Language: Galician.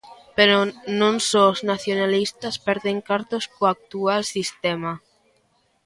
Pero non só os nacionalistas 'perden cartos' co actual sistema.